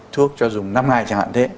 thuốc cho dùng năm ngày chẳng hạn thế